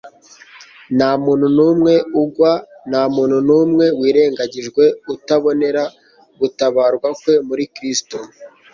Nta muntu n'umwe ugwa, nta muntu n'umwe wirengagijwe utabonera gutabarwa kwe muri Kristo.